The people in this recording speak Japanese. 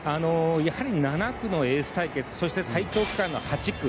７区のエース対決そして最長区間の８区